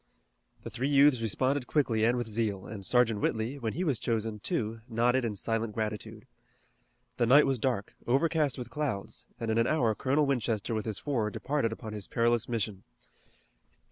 The three youths responded quickly and with zeal, and Sergeant Whitley, when he was chosen, too, nodded in silent gratitude. The night was dark, overcast with clouds, and in an hour Colonel Winchester with his four departed upon his perilous mission.